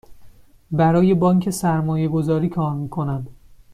برای بانک سرمایه گذاری کار می کنم.